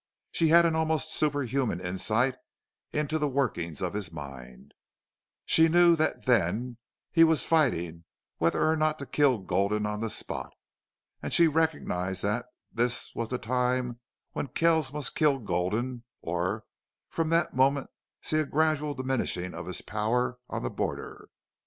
She had an almost superhuman insight into the workings of his mind. She knew that then he was fighting whether or not to kill Gulden on the spot. And she recognized that this was the time when Kells must kill Gulden or from that moment see a gradual diminishing of his power on the border.